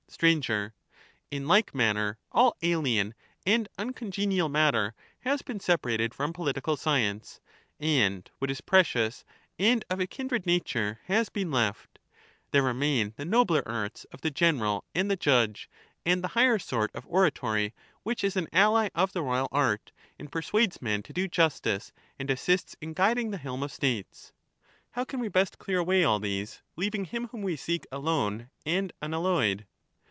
Sir. In like manner, all alien and uncongenial matter has been separated from political science, and what is precious and of a kindred nature has been left; there remain the nobler arts of the general and the judge, and the higher sort of oratory which is an ally of the royal art, and persuades men to do justice, and assists in guiding the helm of States:— 304 How can we best clear away all these, leaving him whom we seek alone and unalloyed